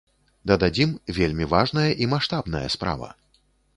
Дададзім, вельмі важная і маштабная справа.